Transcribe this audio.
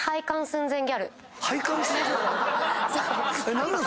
何なの？